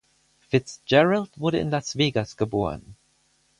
Fitzgerald wurde in Las Vegas geboren.